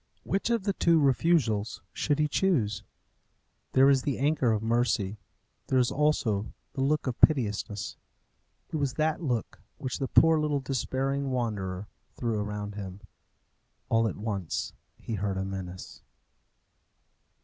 Which of the two refusals should he choose? There is the anchor of mercy. There is also the look of piteousness. It was that look which the poor little despairing wanderer threw around him. All at once he heard a menace.